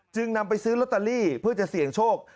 นำไปซื้อลอตเตอรี่เพื่อจะเสี่ยงโชค